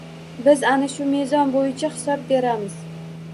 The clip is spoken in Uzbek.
Biz ana shu mezon bo‘yicha hisob beramiz.